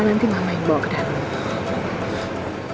nanti mama yang bawa ke dalam